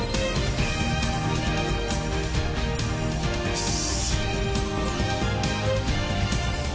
よし。